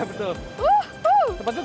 seperti itu gambarnya pak